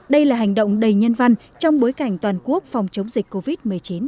đây là hành động đầy nhân văn trong bối cảnh toàn quốc phòng chống dịch covid một mươi chín